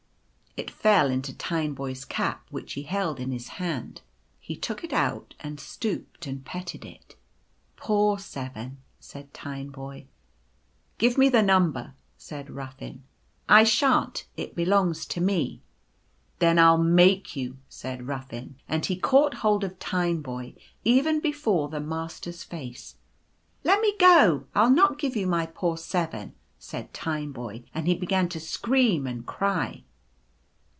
It fell into Tineboy's cap, which he held in his hand. He took it out, and stooped and petted it. " Poor 7)" said Tineboy. "Give me the Number," said Ruffin. " I shan't. It belongs to me" t Two Sevens. 121 "Then I'll make you," said Ruffin; and he caught hold of Tineboy — even before the Master's face. "Let me go. Fll not give you my poor Seven," said Tineboy, and he began to scream and cry.